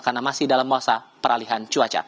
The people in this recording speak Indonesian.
karena masih dalam masa peralihan cuaca